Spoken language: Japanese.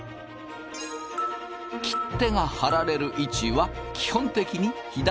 切手が貼られる位置は基本的に左上。